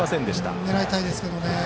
あれを狙いたいですけどね。